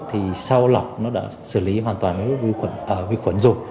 thì sau lọc nó đã xử lý hoàn toàn với vi khuẩn rồi